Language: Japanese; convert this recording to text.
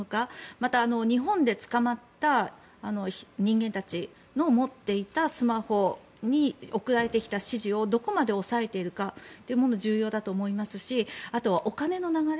また日本で捕まった人間たちの持っていたスマホに送られてきた指示をどこまで押さえているかというのも重要だと思いますしあとはお金の流れ。